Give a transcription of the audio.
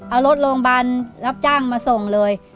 เอารถโรงพยาบาลรับจ้างมาส่งเลย